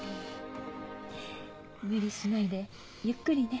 無理しないでゆっくりね。